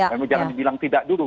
kamu jangan dibilang tidak dulu